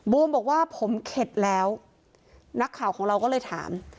บอกว่าผมเข็ดแล้วนักข่าวของเราก็เลยถาม